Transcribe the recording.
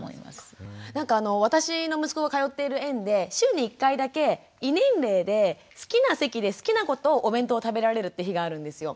なんか私の息子が通っている園で週に１回だけ異年齢で好きな席で好きな子とお弁当を食べられるって日があるんですよ。